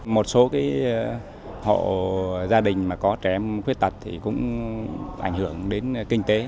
một số hộ gia đình mà có trẻ em khuyết tật thì cũng ảnh hưởng đến kinh tế